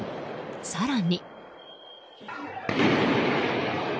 更に。